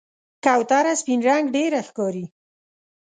کوتره سپین رنګ ډېره ښکاري.